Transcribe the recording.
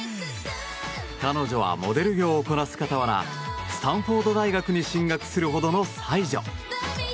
彼女はモデル業をこなす傍らスタンフォード大学に進学するほどの才女。